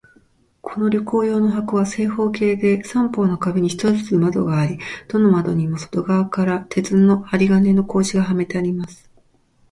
この旅行用の箱は、正方形で、三方の壁に一つずつ窓があり、どの窓にも外側から鉄の針金の格子がはめてあります。